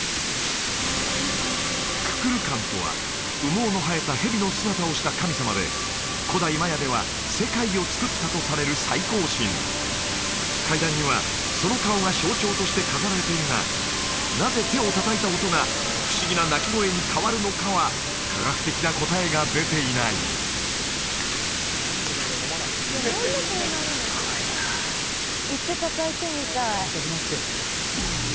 ククルカンとは羽毛の生えたヘビの姿をした神様で古代マヤでは世界を創ったとされる最高神階段にはその顔が象徴として飾られているがなぜ手を叩いた音が不思議な鳴き声に変わるのかは科学的な答えが出ていないすごいなあ行って叩いてみたいやりたくなっちゃうよね